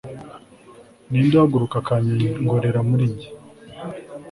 Ninde uhaguruka akanyongorera muri njye